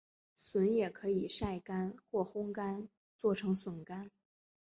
笋也可以晒干或烘干做成笋干。